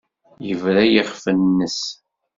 Yebra i yiɣef-nnes.